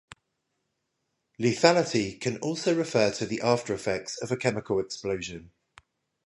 Lethality can also refer to the after-effects of a chemical explosion.